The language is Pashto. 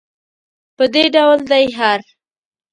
په دې ډول دی هر.